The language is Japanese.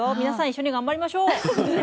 皆さん一緒に頑張りましょう！